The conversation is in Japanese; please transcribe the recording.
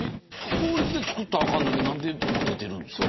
法律で作ったらあかんのに何で持てているんですか。